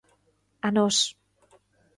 A nós.